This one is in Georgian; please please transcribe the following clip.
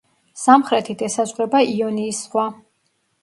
სამხრეთით ესაზღვრება იონიის ზღვა.